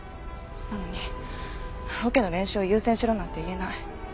なのにオケの練習を優先しろなんて言えない。